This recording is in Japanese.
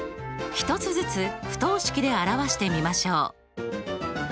１つずつ不等式で表してみましょう。